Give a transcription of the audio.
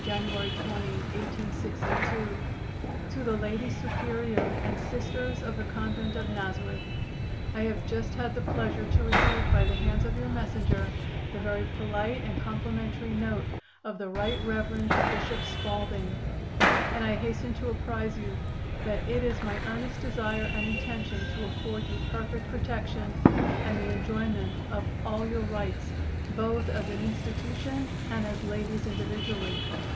January 20, 1862. "To the Lady Superior and Sisters of the Convent of Nazareth: I have just had the pleasure to receive by the hands of your messenger the very polite and complimentary note of the Right Rev. Bishop Spalding, and I hasten to apprise you that it is my earnest desire and intention to afford you perfect protection and the enjoyment of all your rights both as an institution and as ladies individually.